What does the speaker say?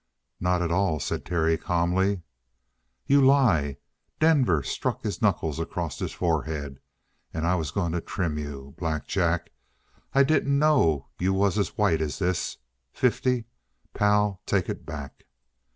"Not at all," said Terry calmly. "You lie!" Denver struck his knuckles across his forehead. "And I was going to trim you. Black Jack, I didn't know you was as white as this. Fifty? Pal, take it back!"